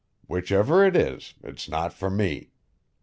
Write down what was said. Whichever it is, it's not for me.